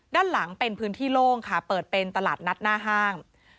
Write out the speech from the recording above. ด้านหลังเป็นพื้นที่โล่งค่ะเปิดเป็นตลาดนัดหน้าห้าง